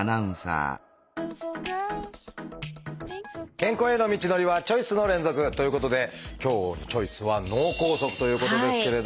健康への道のりはチョイスの連続！ということで今日の「チョイス」は「脳梗塞」ということですけれども。